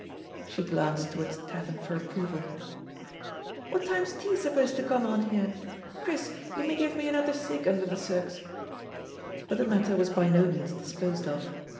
She glanced towards Tat ham for approval. ''What time's tea supposed to come on here? Chris, you may give me an other cig, under the drcs." But tiie matter was by no means disposed of.